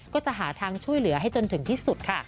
ก็จะหาทางช่วยเหลือให้จนถึงที่สุดค่ะ